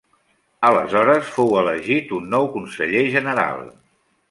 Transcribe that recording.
Aleshores fou elegit un nou conseller general.